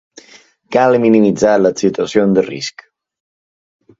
Cal minimitzar les situacions de risc.